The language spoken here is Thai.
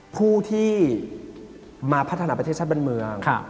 ผู้ที่มาพัฒนาประเทศชาติบ้านเมือง